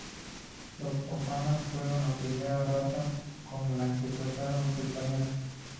Los Ópatas fueron la primera raza con la que trataron los españoles.